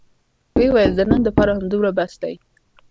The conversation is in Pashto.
ويې ويل د نن دپاره همدومره بس دى.